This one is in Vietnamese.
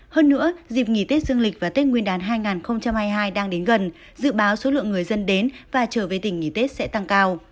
hơn nữa dịp nghỉ tết dương lịch và tết nguyên đán hai nghìn hai mươi hai đang đến gần dự báo số lượng người dân đến và trở về tỉnh nghỉ tết sẽ tăng cao